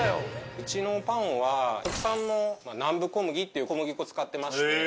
うちのパンは国産の南部小麦っていう小麦粉使ってまして。